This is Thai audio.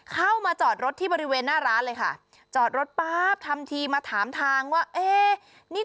เข้ามาจอดรถที่บริเวณหน้าร้านเลยค่ะจอดรถป๊าบทำทีมาถามทางว่าเอ๊ะนี่